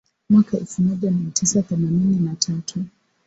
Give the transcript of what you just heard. mwaka elfu moja mia tisa themanini na tatu